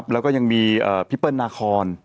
แล้วก็ยังมีพี่เปิ้ลนาคอน